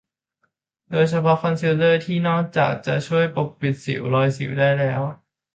โดยเฉพาะคอนซีลเลอร์ ที่นอกจากจะช่วยปกปิดสิว รอยสิวได้แล้ว